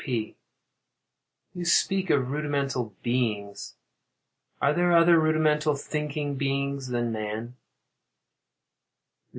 P. You speak of rudimental "beings." Are there other rudimental thinking beings than man?